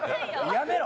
やめろ。